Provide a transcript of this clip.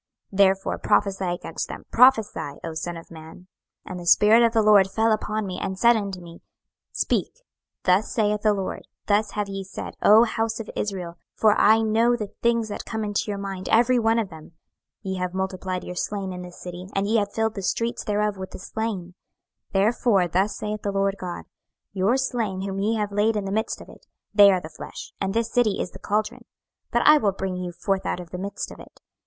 26:011:004 Therefore prophesy against them, prophesy, O son of man. 26:011:005 And the Spirit of the LORD fell upon me, and said unto me, Speak; Thus saith the LORD; Thus have ye said, O house of Israel: for I know the things that come into your mind, every one of them. 26:011:006 Ye have multiplied your slain in this city, and ye have filled the streets thereof with the slain. 26:011:007 Therefore thus saith the Lord GOD; Your slain whom ye have laid in the midst of it, they are the flesh, and this city is the caldron: but I will bring you forth out of the midst of it.